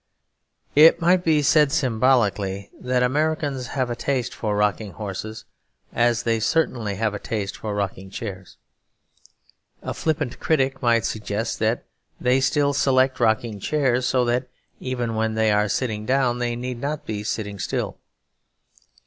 It might be said symbolically that Americans have a taste for rocking horses, as they certainly have a taste for rocking chairs. A flippant critic might suggest that they select rocking chairs so that, even when they are sitting down, they need not be sitting still.